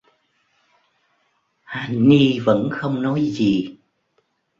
Hà ny vẫn không nói gì